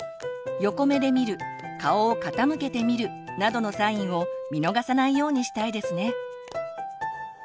横目で見る顔を傾けて見るなどのサインを見逃さないようにしたいですね。